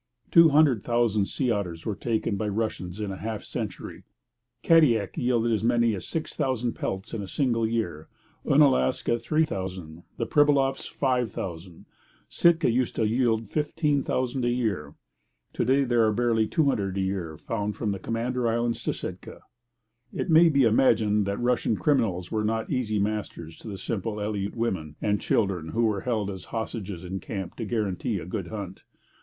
Two hundred thousand sea otters were taken by the Russians in half a century. Kadiak yielded as many as 6000 pelts in a single year; Oonalaska, 3000; the Pribylovs, 5000; Sitka used to yield 15,000 a year. To day there are barely 200 a year found from the Commander Islands to Sitka. It may be imagined that Russian criminals were not easy masters to the simple Aleut women and children who were held as hostages in camp to guarantee a good hunt.